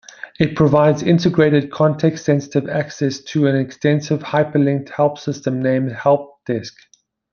It provides integrated, context-sensitive access to an extensive hyper-linked help system named "Help Desk".